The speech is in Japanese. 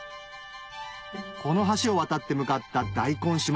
この橋を渡って向かった大根島